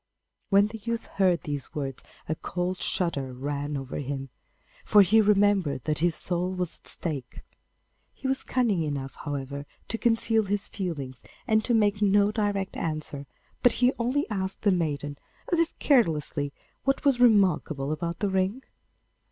When the youth heard these words a cold shudder ran over him, for he remembered that his soul was at stake. He was cunning enough, however, to conceal his feelings and to make no direct answer, but he only asked the maiden, as if carelessly, what was remarkable about the ring?